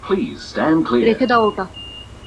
রেখে দাও ওটা।